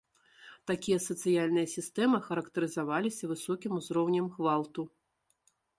Такія сацыяльныя сістэмы характарызаваліся высокім узроўнем гвалту.